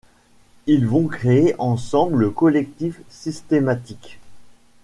Ils vont créer ensemble le collectif Systematik.